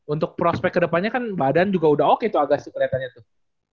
untuk prospek kedepannya kan badan juga udah oke tuh agasi keliatannya tuh